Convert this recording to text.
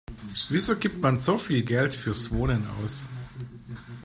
Wieso gibt man so viel Geld fürs Wohnen aus?